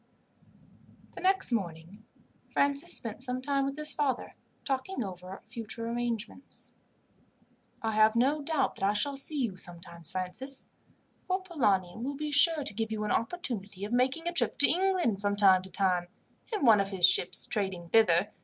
The next morning Francis spent some time with his father talking over future arrangements. "I have no doubt that I shall see you sometimes, Francis; for Polani will be sure to give you an opportunity of making a trip to England, from time to time, in one of his ships trading thither.